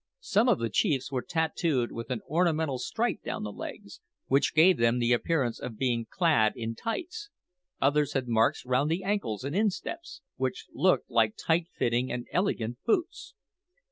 Some of the chiefs were tattooed with an ornamental stripe down the legs, which gave them the appearance of being clad in tights; others had marks round the ankles and insteps, which looked like tight fitting and elegant boots.